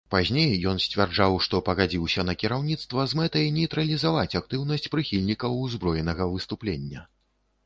Пазней ён сцвярджаў, што пагадзіўся на кіраўніцтва з мэтай нейтралізаваць актыўнасць прыхільнікаў узброенага выступлення.